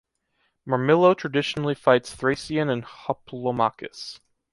Murmillo traditionally fights Thracian and Hoplomachus.